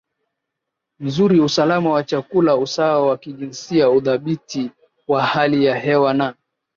nzuri usalama wa chakula usawa wa kijinsia udhabiti wa hali ya hewa na